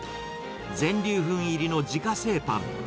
全粒粉入りの自家製パン。